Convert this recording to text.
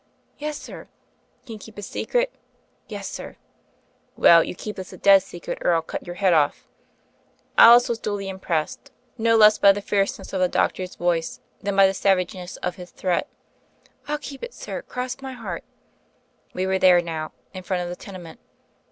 "Yes, sir." "Can you keep a secret?" "Yes, sir." "Well, you keep this a dead secret, or I'll cut your head off.' Alice was duly impressed, no less by the 86 THE FAIRY OF THE SNOWS fierceness of the doctor's voice, than by the sav ageness of his threat. "FU keep it, sir, cross my heart." We were now in front of the tenement.